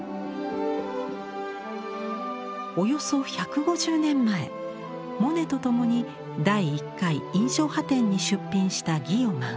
およそ１５０年前モネと共に「第１回印象派展」に出品したギヨマン。